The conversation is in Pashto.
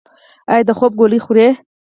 ایا د خوب ګولۍ خورئ؟